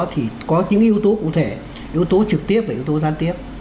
thì có những yếu tố cụ thể yếu tố trực tiếp và yếu tố gián tiếp